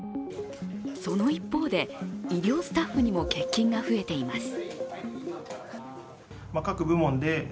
その一方で、医療スタッフにも欠勤が増えています。